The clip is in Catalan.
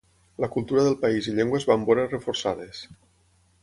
La cultura del país i llengua es van veure reforçades.